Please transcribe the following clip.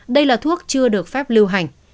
đây là thuốc chưa được phép lưu hành